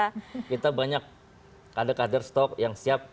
oh enggak kita banyak kader kader stok yang siap yang ngapain kita terima